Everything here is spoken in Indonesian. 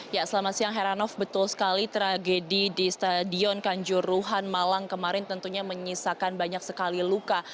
ya selamat siang heranov betul sekali tragedi di stadion kanjuruhan malang kemarin tentunya menyisakan banyak sekali luka